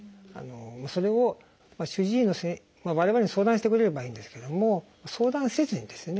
それを主治医の我々に相談してくれればいいんですけども相談せずにですね